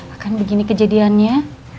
akan begini kejadiannya